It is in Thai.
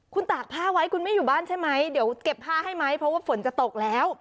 คุณตากผ้าไว้คุณไม่อยู่บ้านใช่ไหมเดี๋ยวเก็บผ้าให้ไหมเพราะว่าฝนจะตกแล้ว